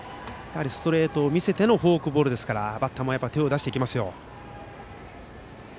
ストレートを見せてのフォークボールですからバッターも手を出してきますよ。